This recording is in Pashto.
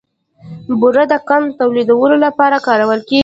بوره د قند تولیدولو لپاره کارول کېږي.